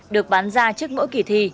được bán ra trước mỗi kỳ thi